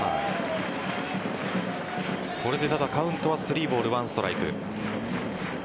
これでカウントは３ボール１ストライク。